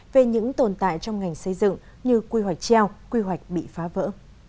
về những tồn tại trong ngành xây dựng như quy hoạch treo quy hoạch bị phá vỡ